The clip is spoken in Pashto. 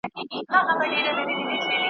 بیرته لیري له تلک او له دانې سو `